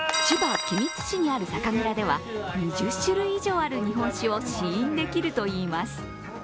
千葉・君津市にある酒蔵では２０種類以上ある日本酒を試飲できるといいます。